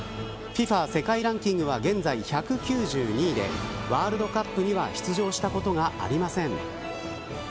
世界ランキングは現在１９２位でワールドカップには出場したことがありません。